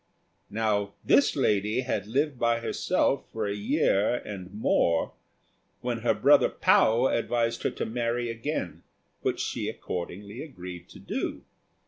Now this lady had lived by herself for a year and more when her brother Pao advised her to marry again, which she accordingly agreed to do.